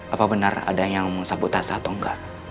apa benar ada yang sabotasa atau enggak